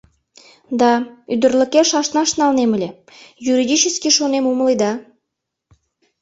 — Да, ӱдырлыкеш ашнаш налнем ыле — юридически, шонем, умыледа.